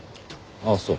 あっそう。